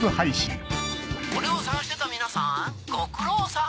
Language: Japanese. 俺を捜してた皆さんご苦労さん！